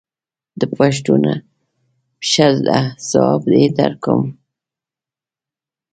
د تا پوښتنه ښه ده ځواب یې درکوم